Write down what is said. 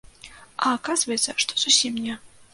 А аказваецца, што зусім не.